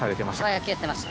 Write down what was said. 野球やってました。